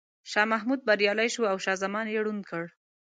شاه محمود بریالی شو او شاه زمان یې ړوند کړ.